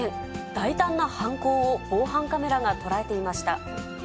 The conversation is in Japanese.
大胆な犯行を防犯カメラが捉えていました。